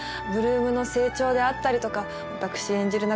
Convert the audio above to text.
８ＬＯＯＭの成長であったりとか私演じる